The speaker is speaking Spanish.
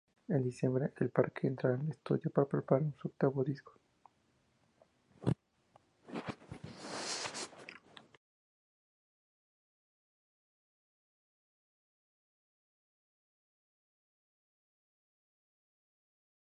Kelvin Herrera entró a dominar a Belt y Michael Morse para salir del apuro.